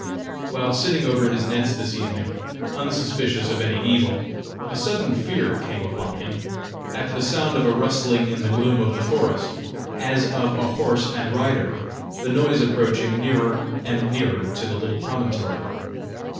While sitting over his nets this evening, unsuspicious of any evil, a sudden fear came upon him, at the sound of a rustling in the gloom of the forest, as of a horse and rider, the noise approaching nearer and nearer to the little promontory.